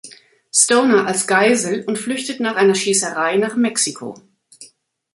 Stoner als Geisel und flüchtet nach einer Schießerei nach Mexiko.